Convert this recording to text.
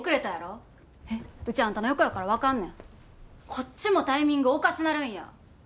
こっちもタイミングおかしなるんや。